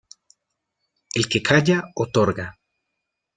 El que calla, otorga.